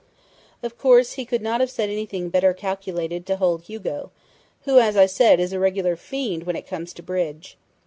Of course he could not have said anything better calculated to hold Hugo, who, as I said, is a regular fiend when it comes to bridge....